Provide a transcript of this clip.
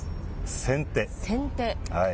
先手。